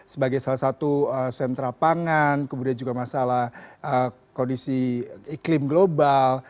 sebagai salah satu sentra pangan kemudian juga masalah kondisi iklim global